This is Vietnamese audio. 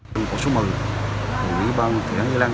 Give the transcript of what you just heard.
khu số một mươi của địa bàn thị trấn di lăng